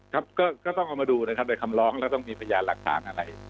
ครับก็ต้องเอามาดูนะครับโดยคำร้องแล้วต้องมีพยานหลักฐานอะไร